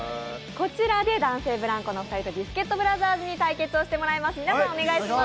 こちらで男性ブランコのお二人とビスケットブラザーズ、対戦していただきます。